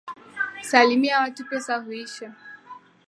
Salimia watu pesa huisha.